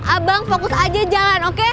abang fokus aja jalan oke